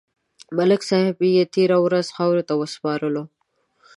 ملک صاحب یې تېره ورځ خاورو ته وسپارلو.